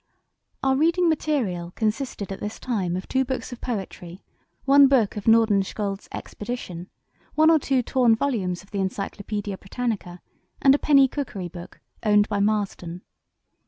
"Our reading material consisted at this time of two books of poetry, one book of 'Nordenskjold's Expedition,' one or two torn volumes of the 'Encyclopædia Britannica,' and a penny cookery book, owned by Marston.